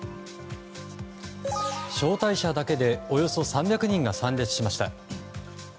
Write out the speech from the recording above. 招待者だけでおよそ３００人が参列しました。